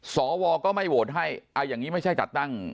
สวก็ไม่โหวตให้เอาอย่างนี้ไม่ใช่จัดตั้ง